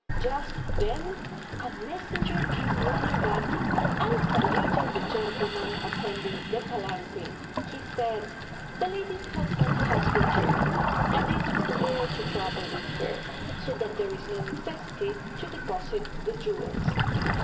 Just then a messenger came running up and, saluting the gentleman attending the palanquin, he said: 'The lady's husband has returned, and is prepared to travel with her, so that there is no necessity to deposit the jewels.'